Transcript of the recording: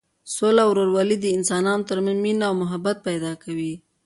سوله او ورورولي د انسانانو تر منځ مینه او محبت پیدا کوي.